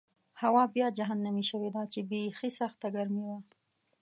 هوا بیا جهنمي شوې وه چې بېخي سخته ګرمي وه.